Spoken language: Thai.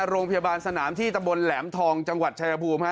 โรงพยาบาลสนามที่ตะบนแหลมทองจังหวัดชายภูมิฮะ